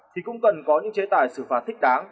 thì cũng cần có những chế tài xử phạt thích đáng